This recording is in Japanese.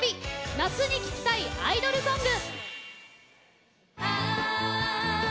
夏に聴きたいアイドルソング。